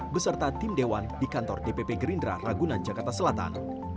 beserta tim dewan di kantor dpp gerindra ragunan jakarta selatan